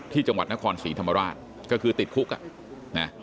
ที่จังหวัดนครศรีธรรมราชก็คือติดคุกอ่ะนะ